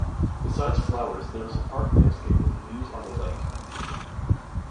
Beside flowers there is a park landscape with views on the lake.